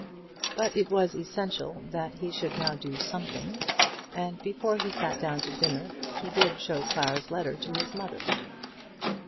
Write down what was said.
But it was essential that he should now do something, and before he sat down to dinner he did show Clara's letter to his mother.